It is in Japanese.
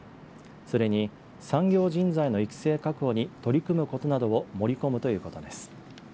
それに産業人材の育成確保に取り組むことなどを盛り込むということです。